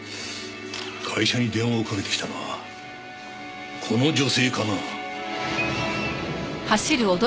会社に電話をかけてきたのはこの女性かな。